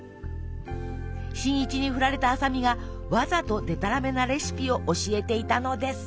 新一にふられた麻美がわざとでたらめなレシピを教えていたのです。